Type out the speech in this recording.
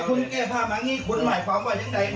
คุณแก้ผ้ามานี่คุณไหวฟ้าไว้อย่างไร